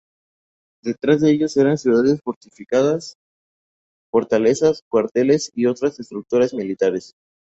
Detrás de ellos eran ciudades fortificadas, fortalezas, cuarteles y otras estructuras militares.